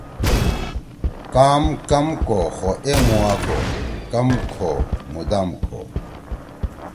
کام کم کو خو ایمُوا کو، کم کھو مُدام کھو۔